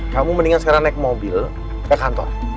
kamu mendingan sekarang naik mobil naik kantor